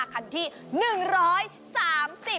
คันที่๑๓๐